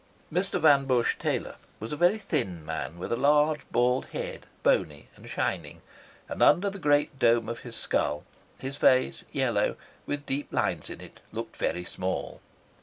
Mr. Van Busche Taylor was a very thin man with a large, bald head, bony and shining; and under the great dome of his skull his face, yellow, with deep lines in it, looked very small.